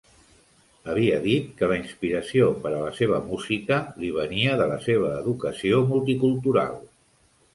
Havia dit que la inspiració per a la seva música li venia de la seva educació multicultural.